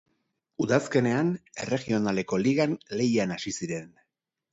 Udazkenean, Erregionaleko Ligan lehian hasi ziren.